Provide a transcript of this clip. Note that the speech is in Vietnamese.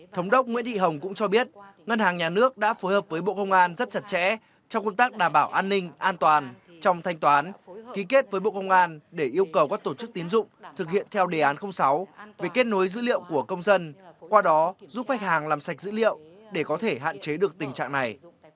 thống đốc nguyễn thị hồng cũng cho biết ngân hàng nhà nước đã phối hợp với bộ công an rất chặt chẽ trong công tác đảm bảo an ninh an toàn trong thanh toán ký kết với bộ công an để yêu cầu các tổ chức tiến dụng thực hiện theo đề án sáu về kết nối dữ liệu của công dân qua đó giúp khách hàng làm sạch dữ liệu để có thể hạn chế được tình trạng này